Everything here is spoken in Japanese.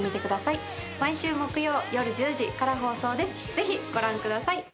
ぜひご覧ください。